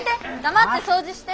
黙って掃除して。